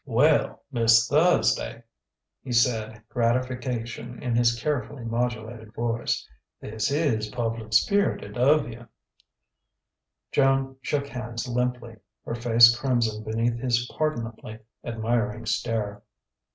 "Well, Miss Thursday!" he said, gratification in his carefully modulated voice. "This is public spirited of you!" Joan shook hands limply, her face crimson beneath his pardonably admiring stare.